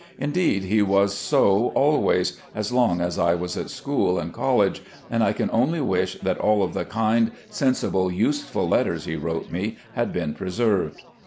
Indeed, he was so always, as long as I was at school and college, and I only wish that all of the kind, sensible, useful letters he wrote me had been preserved.